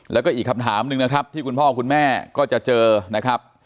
แล้วก็อีกคำถามหนึ่งนะครับที่คุณพ่อคุณแม่ก็จะเจอนะครับ